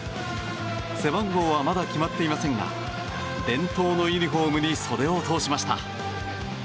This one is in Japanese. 背番号はまだ決まっていませんが伝統のユニホームに袖を通しました。